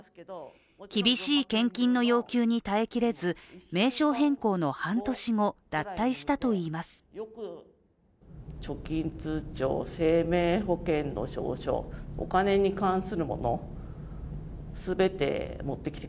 厳しい献金の要求に耐えきれず名称変更の半年後、脱退したといいます。